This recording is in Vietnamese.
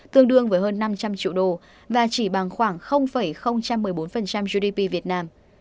tương đương với hơn năm trăm linh triệu đô và chỉ bằng khoảng một mươi bốn gdp việt nam